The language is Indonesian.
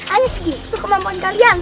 aneh segitu kemampuan kalian